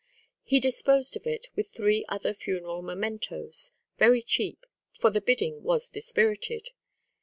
He disposed of it, with three other funeral mementos, very cheap, for the bidding was dispirited.